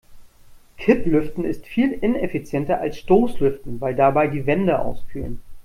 Kipplüften ist viel ineffizienter als Stoßlüften, weil dabei die Wände auskühlen.